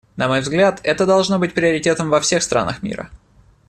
На мой взгляд, это должно быть приоритетом во всех странах мира.